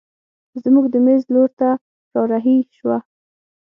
زموږ د مېز لور ته رارهي شوه.